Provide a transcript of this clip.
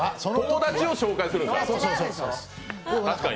友達を紹介するんですか？